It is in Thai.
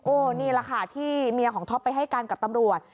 นี่แหละค่ะที่เมียของท็อปไปให้การกับตำรวจ